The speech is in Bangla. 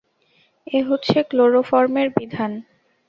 এ হচ্ছে ক্লোরোফর্মের বিধান।